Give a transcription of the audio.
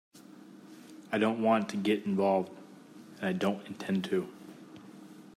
I don’t want to get involved, and I don't intend to.